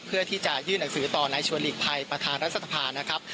เพื่อที่จะยื่นหนังสือต่อนายชวนหลีกภัยประธานรัฐสภานะครับ